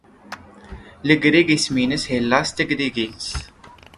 Legrig isem-nnes Hellas s tegrigit.